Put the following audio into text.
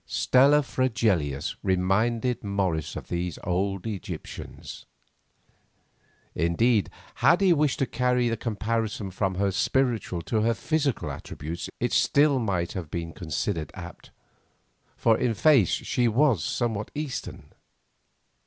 Stella Fregelius reminded Morris of these old Egyptians. Indeed, had he wished to carry the comparison from her spiritual to her physical attributes it still might have been considered apt, for in face she was somewhat Eastern.